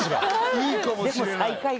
いいかもしれない。